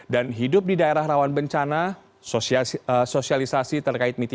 dan hidup di daerah rauan bencana sosialisasi terkait mitra